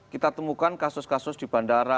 kita temukan kasus kasus di bandara